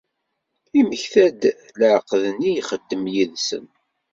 Immekta-d d leɛqed nni i yexdem yid-sen.